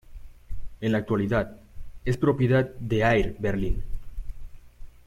En la actualidad, es propiedad de Air Berlin.